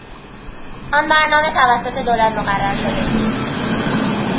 آن برنامه توسط دولت مقرر شده بود.